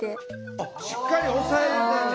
あっしっかり押さえる感じ。